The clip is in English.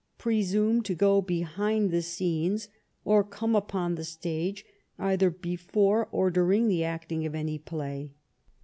Presume to go Behind the Scenes, or come upon the Stage, either before, or during the Acting of any Play.